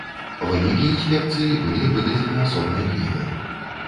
Вынікі інспекцыі былі выдадзены асобнай кнігай.